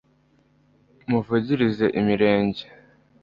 Muvugirize imirenge